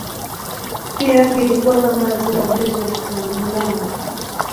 Pia kilikuwa kama hazina ya ujuzi wa kitaalamu.